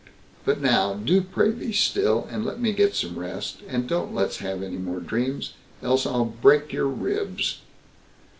But now, do pray be still, and let me get some rest, and don't let's have any more dreams, else I'll break your ribs."